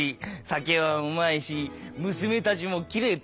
酒はうまいし娘たちもきれいってか。